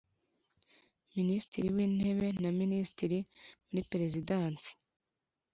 Minisitiri w Intebe na Minisitiri muri Perezidansi